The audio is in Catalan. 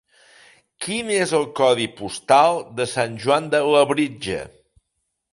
Quin és el codi postal de Sant Joan de Labritja?